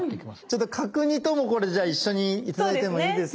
ちょっと角煮ともこれじゃあ一緒に頂いてもいいですか？